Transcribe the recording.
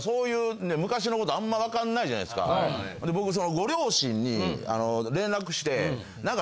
僕ご両親に連絡してなんか。